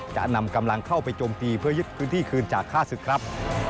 จะนำกำลังเข้าไปโจมตีเพื่อยึดพื้นที่คืนจากฆ่าศึกครับ